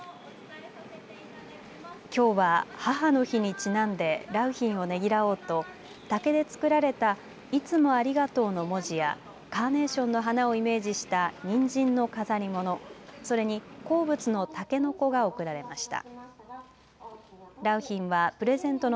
きょうは母の日にちなんで良浜をねぎらおうと竹で作られたいつもありがとうの文字やカーネーションの花をイメージしたにんじんの飾り物、それに好物のタケノコが贈られました。